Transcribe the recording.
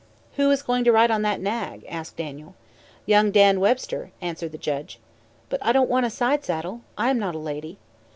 "Who is going to ride on that nag?" asked Daniel. "Young Dan Webster," answered the judge. "But I don't want a side saddle. I am not a lady."